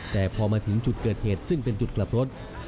แต่พอมาถึงจุดเกิดเหตุซึ่งเป็นจุดกลับรถ